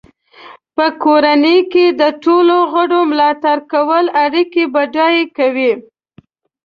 په کورنۍ کې د ټولو غړو ملاتړ کول اړیکې بډای کوي.